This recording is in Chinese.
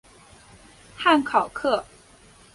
汉考克。